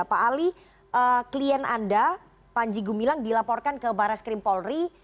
pak ali klien anda panji gumilang dilaporkan ke baris krim polri